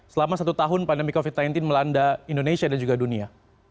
selama satu tahun pandemi covid sembilan belas melanda indonesia dan juga dunia